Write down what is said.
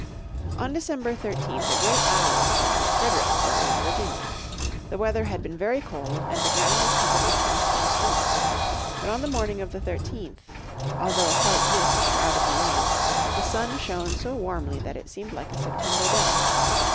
On December 13th a great battle was fought at Fredericksburg in Virginia. The weather had been very cold and the ground was covered with frost and snow. But on the morning of the 13th, although a white mist shrouded the land, the sun shone so warmly that it seemed like a September day.